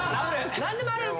何でもあるやつ！